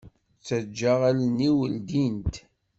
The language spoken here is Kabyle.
Taǧǧaɣ allen-iw ldint.